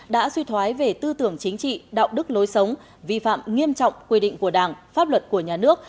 đã suy thoái về tư tưởng chính trị đạo đức lối sống vi phạm nghiêm trọng quy định của đảng pháp luật của nhà nước